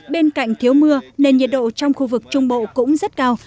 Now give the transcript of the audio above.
bên cạnh thiếu mưa nền nhiệt độ trong khu vực trung bộ cũng rất cao